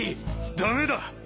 ダメだ！